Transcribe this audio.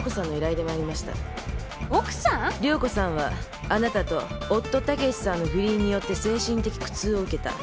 涼子さんはあなたと夫武さんの不倫によって精神的苦痛を受けた。